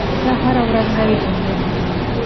زه هره ورځ نوي جملې لیکم.